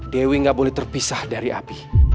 dewi gak boleh terpisah dari abi